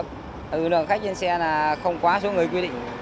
lượng khách trên xe là không quá số người quy định